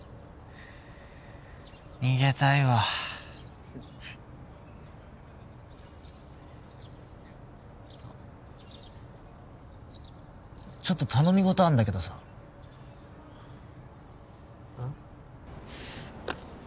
逃げたいわちょっと頼みごとあんだけどさうん？